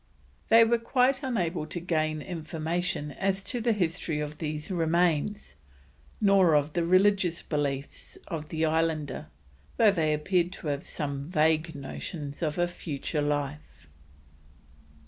" They were quite unable to gain information as to the history of these remains, nor of the religious belief of the islander, though they appeared to have some vague notions of a future life.